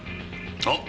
あっ！